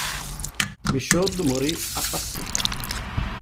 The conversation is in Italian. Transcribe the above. Michaud morì a Passy.